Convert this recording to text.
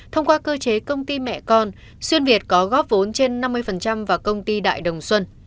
thông qua cơ chế công ty mẹ con xuyên việt có góp vốn trên năm mươi vào công ty đại đồng xuân